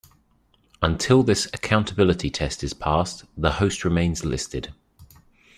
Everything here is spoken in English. Until this accountability test is passed, the host remains listed.